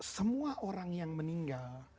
semua orang yang meninggal